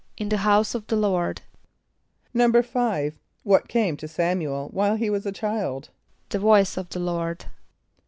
=In the house of the Lord.= =5.= What came to S[)a]m´u el while he was a child? =The voice of the Lord.